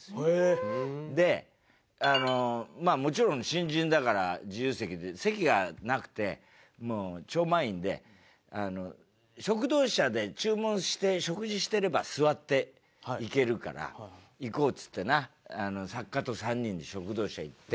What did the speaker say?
でまあもちろん新人だから自由席で席がなくて超満員で食堂車で注文して食事してれば座って行けるから行こうっつってな作家と３人で食堂車行って。